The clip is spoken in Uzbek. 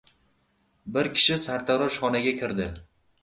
Bir kishi sartaroshxonaga kirdi.